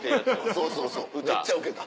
そうそうそうめっちゃウケた。